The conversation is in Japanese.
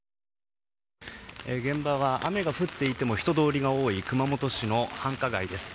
現場は雨が降っていても人通りが多い熊本市の繁華街です。